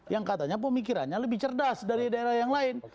yang katanya pemikirannya lebih cerdas dari daerah yang lain